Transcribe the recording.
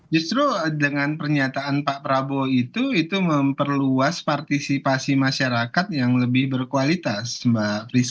justru dengan pernyataan pak prabowo itu itu memperluas partisipasi masyarakat yang lebih berkualitas mbak prisci